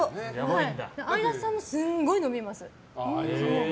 相田さんもすごい飲みます。